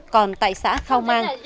còn tại xã khao mang